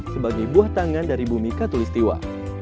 sebagai buah tangan dari bumi katulistiwa